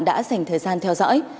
đã dành thời gian theo dõi